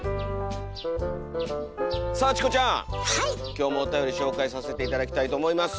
今日もおたより紹介させて頂きたいと思います。